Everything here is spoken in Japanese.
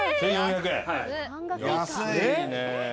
安いね。